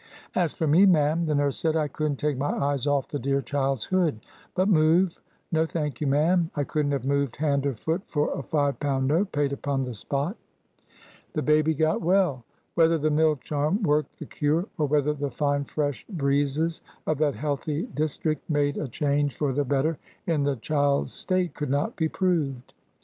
"As for me, ma'am," the nurse said, "I couldn't take my eyes off the dear child's hood. But move,—no thank you, ma'am,—I couldn't have moved hand or foot for a five pound note, paid upon the spot." The baby got well. Whether the mill charm worked the cure, or whether the fine fresh breezes of that healthy district made a change for the better in the child's state, could not be proved.